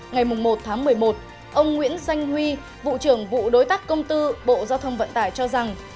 ngày một tháng một mươi một ông nguyễn xanh huy vụ trưởng vụ đối tác công tư bộ giao thông vận tải cho rằng